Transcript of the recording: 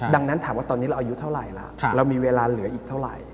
ดังนั้นถามว่าตอนนี้เราอายุเท่าไหร่ล่ะเรามีเวลาเหลืออีกเท่าไหร่